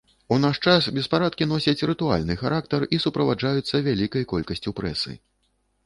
У наш час беспарадкі носяць рытуальны характар і суправаджаюцца вялікай колькасцю прэсы.